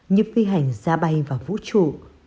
như phi hành ra bay vào vũ trụ